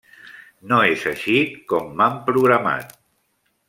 No és així com m'han programat.